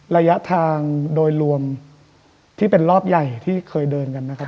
ระยะทางโดยรวมที่เป็นรอบใหญ่ที่เคยเดินกันนะครับ